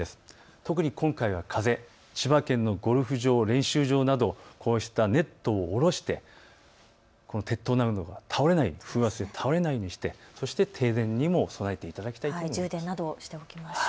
特に今回の風、千葉県のゴルフ場などネットを下ろして鉄塔などが風圧で倒れないようにして停電にも備えていただきたいと思います。